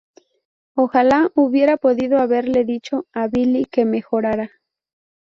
Ojalá hubiera podido haberle dicho a Billy que mejorará.